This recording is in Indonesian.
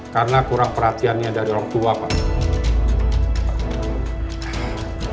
karena kurang perhatiannya dari orang tua pak